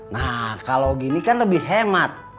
nah kalau gini kan lebih hemat